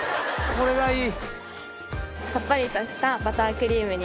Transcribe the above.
これがいい！